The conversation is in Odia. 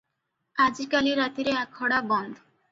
ଆଜିକାଲି ରାତିରେ ଆଖଡ଼ା ବନ୍ଦ ।